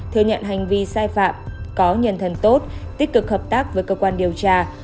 thừa nhận hành vi sai phạm có nhân thần tốt tích cực hợp tác với cơ quan điều tra